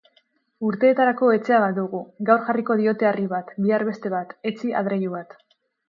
Urteetarako etxea badugu; gaur jarriko diote harri bat, bihar beste bat, etzi adreilu bat.